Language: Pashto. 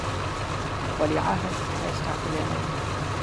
ولیعهد په حیث ټاکلی نه وو.